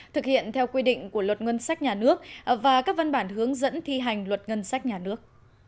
thực hiện theo quy định của luật ngân sách nhà nước và các văn bản hướng dẫn thi hành luật ngân sách nhà nước